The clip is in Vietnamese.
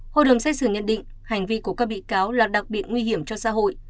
hội đồng xét xử nhận định hành vi của các bị cáo là đặc biệt nguy hiểm cho xã hội